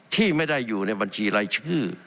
ที่ไม่ได้อยู่ในบัญชีรายชื่อ